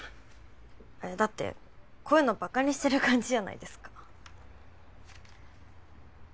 えっだってこういうのバカにしてる感じじゃないですか。